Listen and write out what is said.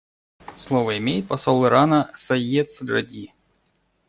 Слово имеет посол Ирана Сейед Саджади.